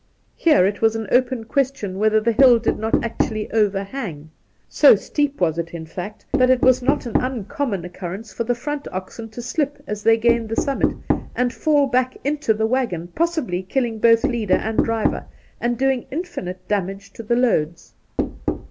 Here it was an open question whether the hiU did not actually overhang ; so steep was it, in fact, that it was not an uncommon occurrence for the front oxen to slip as they gained the summit, and faU back into the waggon, possibly killing both leader and driver, and doing infinite damage to the loads.